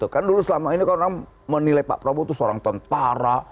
kan dulu selama ini kan orang menilai pak prabowo itu seorang tentara